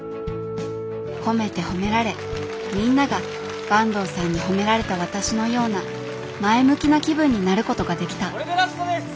褒めて褒められみんなが坂東さんに褒められた私のような前向きな気分になることができたこれでラストです！